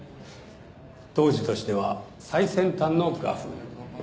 当時としては最先端の画風。